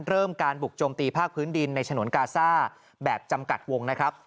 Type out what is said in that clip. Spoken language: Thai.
เริ่มการบุกโจมตีภาคพื้นดินในฉนวนกาซ่าแบบจำกัดวงนะครับ